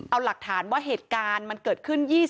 เอาหลักฐานว่าเหตุการณ์มันเกิดขึ้น